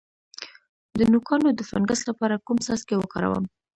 د نوکانو د فنګس لپاره کوم څاڅکي وکاروم؟